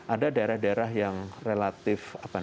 ada daerah daerah yang relatif